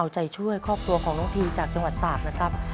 จากจังหวัดตากนะครับ